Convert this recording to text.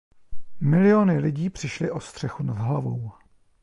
Miliony lidí přišli o střechu nad hlavou.